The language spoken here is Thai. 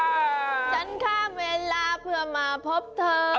อ้าจันทราเวลาเพื่อมาพบเธอ